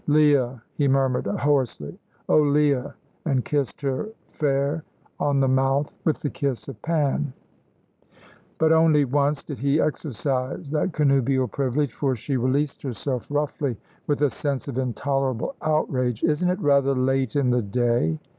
"Leah," he murmured hoarsely "oh, Leah!" and kissed her fair on the mouth with the kiss of Pan. But only once did he exercise that connubial privilege, for she released herself roughly with a sense of intolerable outrage. "Isn't it rather late in the day?"